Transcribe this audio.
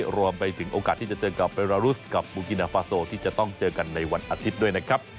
รวมไปถึงโอกาสที่จะเจอกับเบรารุสกับบูกินาฟาโซที่จะต้องเจอกันในวันอาทิตย์ด้วยนะครับ